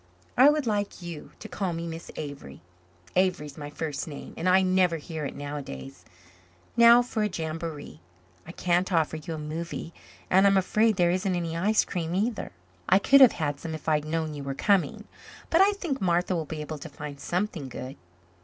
"I would like you to call me Miss Avery. Avery is my first name and I never hear it nowadays. Now for a jamboree! I can't offer you a movie and I'm afraid there isn't any ice cream either. I could have had some if I'd known you were coming. But I think Martha will be able to find something good."